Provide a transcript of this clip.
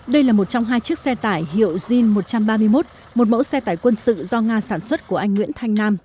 đây là một trong hai chiếc xe tải hiệu jin một trăm ba mươi một một mẫu xe tải quân sự do nga sản xuất của anh nguyễn thanh nam